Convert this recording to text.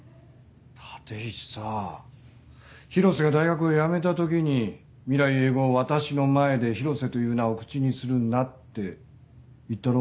立石さぁ広瀬が大学をやめた時に「未来永劫私の前で広瀬という名を口にするな」って言ったろ？